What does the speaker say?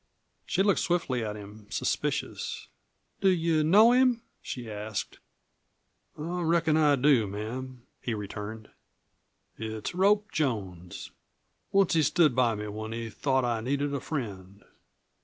She looked swiftly at him, suspicious. "Do you know him?" she asked. "I reckon I do, ma'am," he returned. "It's Rope Jones. Once he stood by me when he thought I needed a friend.